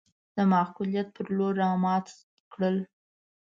د معقوليت پر لور رامات کړل.